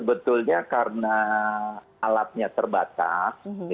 pertama sekali karena alatnya terbatas